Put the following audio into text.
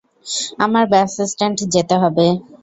আমার bus stand যেতে হবে।